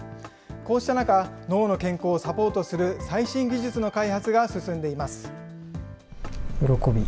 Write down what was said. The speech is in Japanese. こうした中、脳の健康をサポートする最新技術の開発が進んでいま喜び。